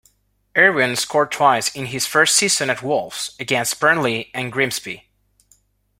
Irwin scored twice in his first season at Wolves, against Burnley and Grimsby.